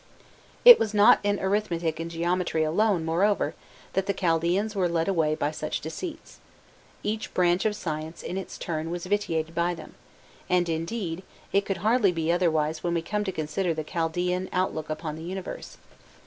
It was not in arithmetic and geometry alone, moreover, that the Chaldaeans were led away by such deceits: each branch of science in its turn was vitiated by them, and, indeed, it could hardly be otherwise when we come to consider the Chaldaean outlook upon the universe.